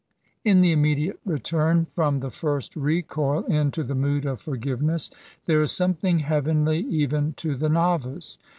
In the immediate return from the first recoil into the mood of forgiveness^ there is something heavenly even to the novice.